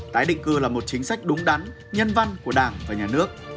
tái định cư là một chính sách đúng đắn nhân văn của đảng và nhà nước